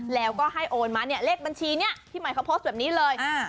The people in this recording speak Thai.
แล้วก็ให้โอนมาเนี่ยเลขบัญชีเนี่ยพี่ใหม่เขาโพสต์แบบนี้เลย